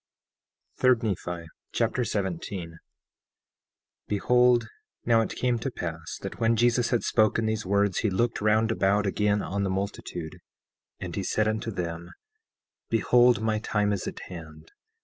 3 Nephi Chapter 17 17:1 Behold, now it came to pass that when Jesus had spoken these words he looked round about again on the multitude, and he said unto them: Behold, my time is at hand.